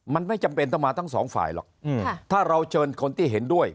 มันไม่จำเป็นต้องมาทั้งสองฝ่ายหรอกถ้าเราเชิญคนที่เห็นด้วย